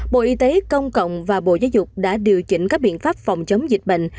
bộ y tế công cộng và bộ giáo dục đã điều chỉnh các biện pháp phòng chống dịch bệnh